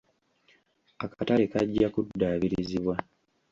Akatale kajja kuddaabirizibwa.